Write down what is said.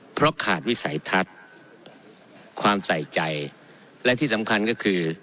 เพราะขาดวิสัยทัศน์ความใส่ใจและที่สำคัญก็คือ